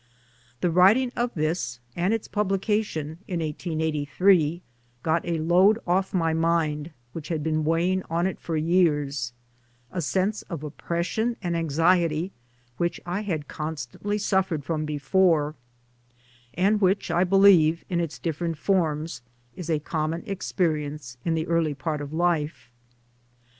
The writing of this and its publication (in 1883) got a load off my mind which had been weighing on it for years — a sense of oppression and anxiety which 1 had constantly suffered from before — and which I believe, in its different forms, is a common experience in the early part of life.